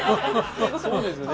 そうですよね。